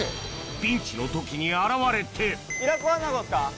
ピンチの時に現れてイラコアナゴですか？